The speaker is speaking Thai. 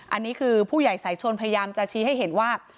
อันนี้คือผู้ใหญ่สายชนพยายามจะชี้ให้เห็นว่า